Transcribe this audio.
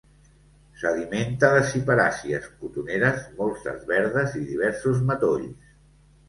S'alimenta de ciperàcies, cotoneres, molses verdes i diversos matolls.